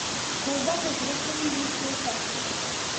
کوربه که زړه سوي وي، ټول خوښ وي.